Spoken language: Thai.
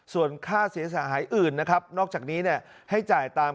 ส่วนค่าเสียหายอื่นนะครับนอกจากนี้เนี่ยให้จ่ายตาม